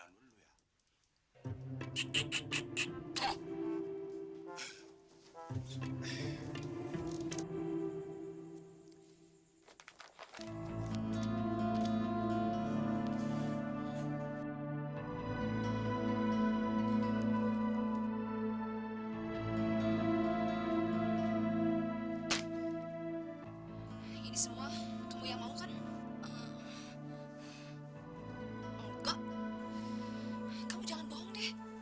tapi mau jual